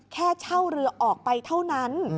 แค่เช่าเรือออกไปเท่านั้น